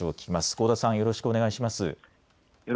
香田さん、よろしくお願いします。